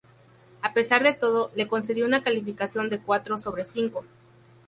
A pesar de todo, le concedió una calificación de cuatro sobre cinco.